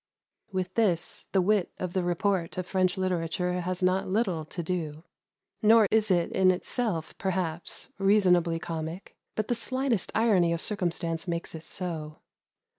With this the wit of the report of French literature has not little to do. Nor is it in itself, perhaps, reasonably comic, but the slightest irony of circumstance makes it so.